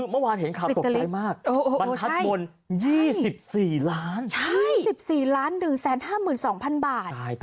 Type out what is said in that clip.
ถ้าเห็นข่าวตกใจมากมันทัดบน๒๔ล้านบาท